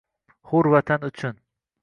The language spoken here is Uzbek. Hur Vatan uchun